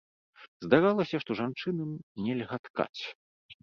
Здаралася, што жанчынам нельга ткаць.